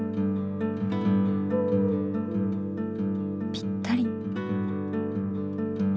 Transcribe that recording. ぴったり。